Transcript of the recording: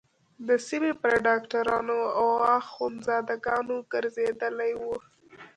د سيمې پر ډاکترانو او اخوندزاده گانو گرځېدلې وه.